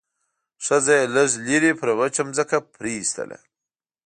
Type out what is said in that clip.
ښځه يې لږ لرې پر وچه ځمکه پرېيستله.